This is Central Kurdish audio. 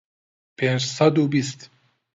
پێنج سەد و بیست